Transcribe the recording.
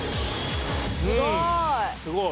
すごい。